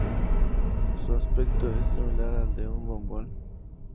Su aspecto es similar al de un bombón.